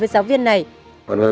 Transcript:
tại sao lại phải che mắt